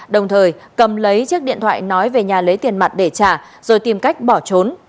đồng thời cầm lấy chiếc điện thoại nói về nhà lấy tiền mặt để trả rồi tìm cách bỏ trốn